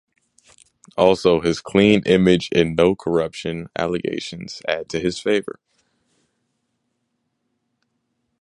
Also his clean image and no corruption allegations adds to his favor.